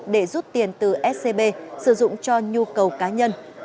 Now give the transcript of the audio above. để rút tiền từ scb sử dụng cho nhu cầu cá nhân